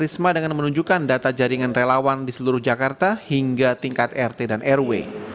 risma dengan menunjukkan data jaringan relawan di seluruh jakarta hingga tingkat rt dan rw